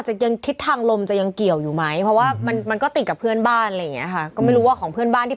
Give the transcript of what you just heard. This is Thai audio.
จะยังคิดทางลมจะยังเกี่ยวอยู่ไหมเพราะว่ามันมันก็ติดกับเพื่อนบ้าน